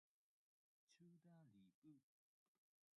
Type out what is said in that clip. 去大理不